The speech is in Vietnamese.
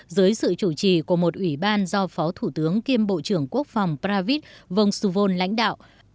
dưới sự chủ trì của một ủy ban do phó thủ tướng kiêm bộ trưởng quốc phòng pravit vongsuvo lãnh đạo